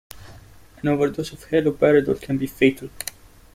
An overdose of haloperidol can be fatal.